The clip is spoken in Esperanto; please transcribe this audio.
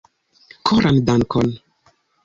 Koran dankon!